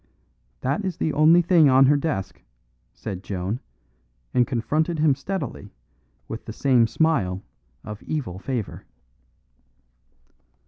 "That is the only thing on her desk," said Joan, and confronted him steadily with the same smile of evil favour.